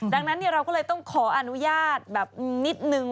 ดังนั้นเราก็เลยต้องขออนุญาตแบบนิดนึง